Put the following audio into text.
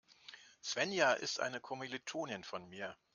Svenja ist eine Kommilitonin von mir.